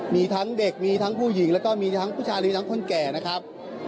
มีทั้งเด็กมีทั้งผู้หญิงแล้วก็มีทั้งผู้ชายมีทั้งคนแก่นะครับ